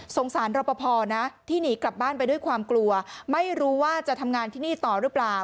สารรอปภนะที่หนีกลับบ้านไปด้วยความกลัวไม่รู้ว่าจะทำงานที่นี่ต่อหรือเปล่า